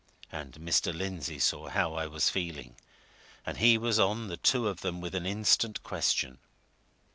And Mr. Lindsey saw how I was feeling, and he was on the two of them with an instant question.